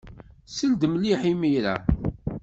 Sel-d mliḥ imir-a.